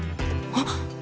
あっ！